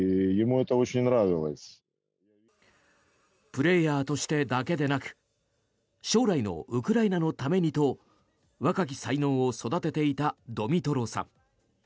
プレーヤーとしてだけでなく将来のウクライナのためにと若き才能を育てていたドミトロさん。